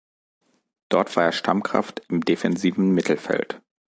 Dort war er Stammkraft im defensiven Mittelfeld.